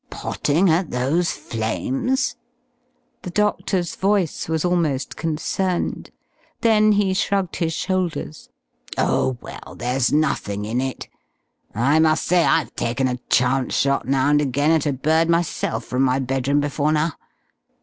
"Potting at those flames!" The doctor's voice was almost concerned. Then he shrugged his shoulders. "Oh, well, there's nothing in it! I must say I've taken a chance shot now and again at a bird myself from my bedroom before now.